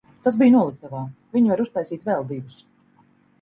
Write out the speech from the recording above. Tas bija noliktavā, viņi var uztaisīt vēl divus.